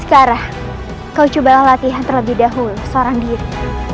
sekarang kau cobalah latihan terlebih dahulu seorang diri